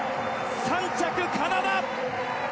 ３着、カナダ！